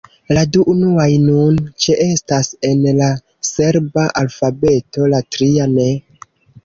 La du unuaj nun ĉeestas en la serba alfabeto, la tria ne.